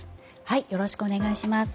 よろしくお願いします。